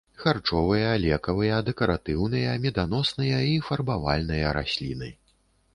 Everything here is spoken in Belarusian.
Харчовыя, лекавыя, дэкаратыўныя, меданосныя і фарбавальныя расліны.